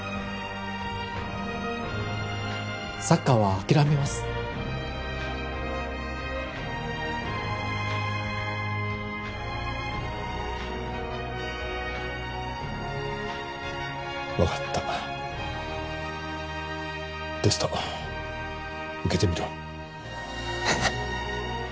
サッカーは諦めます分かったテスト受けてみろえっ？